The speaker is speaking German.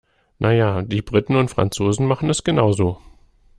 Na ja, die Briten und Franzosen machen es genau so.